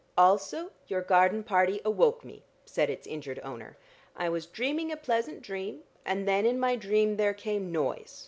"Also, your garden party awoke me," said its injured owner. "I was dreaming a pleasant dream, and then in my dream there came noise.